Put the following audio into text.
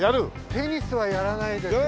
テニスはやらないですね。